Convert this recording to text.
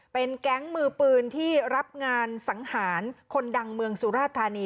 เป็นแก๊งมือปืนที่รับงานสังหารคนดังเมืองสุราธานี